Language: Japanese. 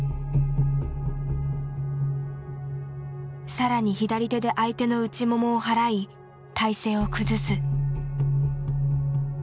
更に左手で相手の内ももを払い体勢を崩す。